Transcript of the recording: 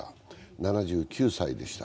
７９歳でした。